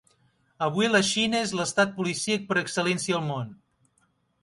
Avui la Xina és l’estat policíac per excel·lència al món.